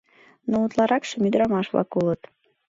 Но утларакшым ӱдырамаш-влак улыт.